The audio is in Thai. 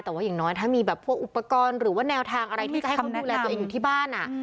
แต่ว่าอย่างน้อยถ้ามีแบบพวกอุปกรณ์หรือว่าแนวทางอะไรที่จะให้เขาดูแลตัวเองอยู่ที่บ้าน